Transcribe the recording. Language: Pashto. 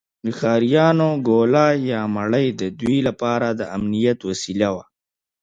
د ښکاریانو ګوله یا مړۍ د دوی لپاره د امنیت وسیله وه.